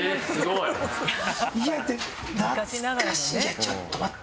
いやちょっと待って。